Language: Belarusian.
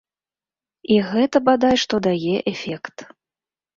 І гэта бадай што дае эфект.